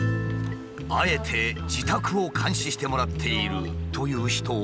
あえて自宅を監視してもらっているという人を訪ねてみると。